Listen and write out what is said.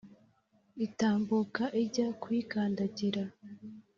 itambuka ijya kuyikandagira.